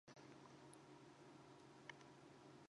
甘粛省の省都は蘭州である